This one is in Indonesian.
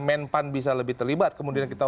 menpan bisa lebih terlibat kemudian kita